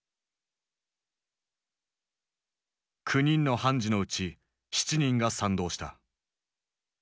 ９人の判事のうち７人が賛同した。